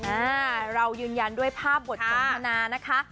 อ่าเรายืนยันด้วยภาพบทสนทนานะคะ